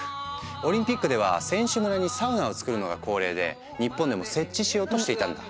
オリンピックでは選手村にサウナを作るのが恒例で日本でも設置しようとしていたんだ。